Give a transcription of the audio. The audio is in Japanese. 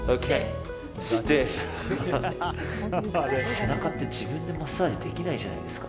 背中って自分でマッサージできないじゃないですか。